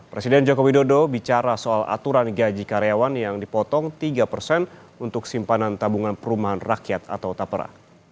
presiden joko widodo bicara soal aturan gaji karyawan yang dipotong tiga persen untuk simpanan tabungan perumahan rakyat atau tapera